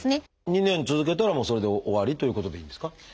２年続けたらもうそれで終わりということでいいんですか？